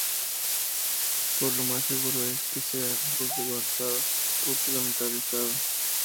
Pero lo más seguro es que sea desguazada por su lamentable estado.